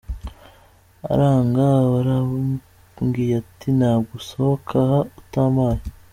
Aranga aba arambwiye ati : “ntabwo usohoka aha utampaye…”.